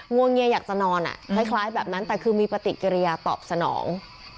วงเงียอยากจะนอนคล้ายแบบนั้นแต่คือมีปฏิกิริยาตอบสนอง